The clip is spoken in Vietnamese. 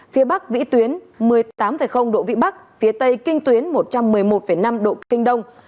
phía bắc vĩ tuyến một mươi tám độ vĩ bắc phía tây kinh tuyến một trăm một mươi một năm độ kinh đông